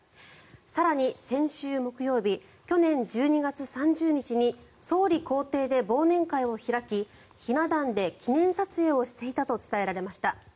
更に、先週木曜日去年１２月３０日に総理公邸で忘年会を開きひな壇で記念撮影をしていたと伝えられました。